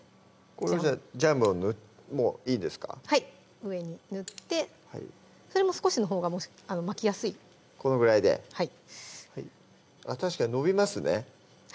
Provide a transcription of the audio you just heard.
これジャムをもういいですかはい上に塗ってそれも少しのほうが巻きやすいこのぐらいでたしかに延びますね